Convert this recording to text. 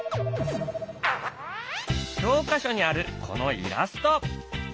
教科書にあるこのイラスト。